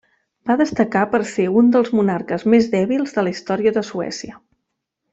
Va destacar per ser un dels monarques més dèbils de la història de Suècia.